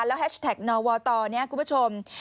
แล้วแฮชแท็กนอวอร์ตอร์นี้คุณผู้ชม